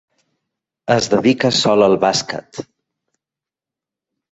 Es dedica sol al bàsquet.